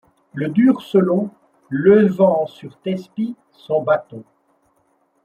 Le dur Solon, levant sur Thespis son-bâton